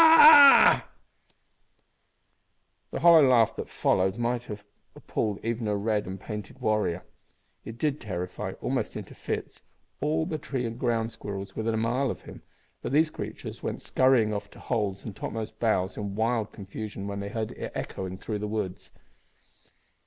ha a a ah!" The laugh that followed might have appalled even a red and painted warrior. It did terrify, almost into fits, all the tree and ground squirrels within a mile of him, for these creatures went skurrying off to holes and topmost boughs in wild confusion when they heard it echoing through the woods.